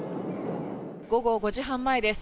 午後５時半前です。